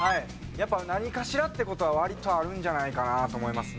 やっぱ何かしらって事は割とあるんじゃないかなと思いますね。